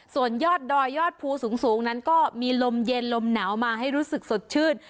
ส่วนยอดดอยยอดภูสูงนั้นก็มีลมเย็นลมหนาวมาให้รู้สึกสดชื่น